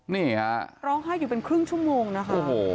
นี่ฮะร้องไห้อยู่เป็นครึ่งชั่วโมงนะคะ